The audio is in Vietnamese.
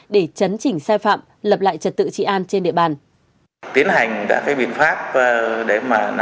để chấn chỉnh sai phạm lập lại trật tự trị an trên địa bàn